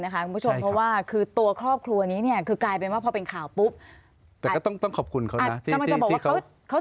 กระอักกระอวดแล้วนะแต่ว่ากรณีเขา